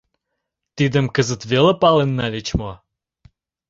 Тидым кызыт веле пален нальыч мо?